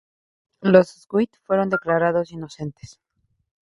Los Sweet fueron declarados inocentes.